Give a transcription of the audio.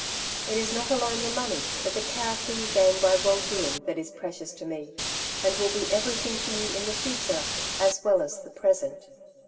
It is not alone the money, but the character you gain by well doing that is precious to me, and will be everything to you in the future, as well as the present."